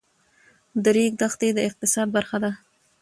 د ریګ دښتې د اقتصاد برخه ده.